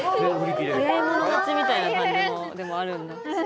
早い者勝ちみたいな感じでもあるんだ。